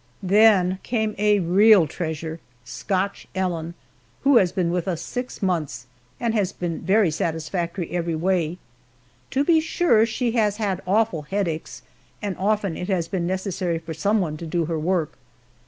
Then came a real treasure Scotch Ellen who has been with us six months, and has been very satisfactory every way. To be sure she has had awful headaches, and often it has been necessary for some one to do her work.